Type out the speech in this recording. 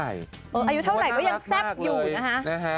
อายุเท่าไหร่ก็ยังแซ่บอยู่นะคะ